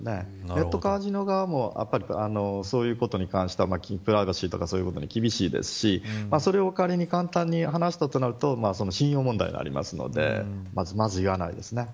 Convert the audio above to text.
ネットカジノ側もそういうことに関してはプライバシーとかに厳しいですしそれを簡単に話したとなると信用問題になりますのでまず言わないですね。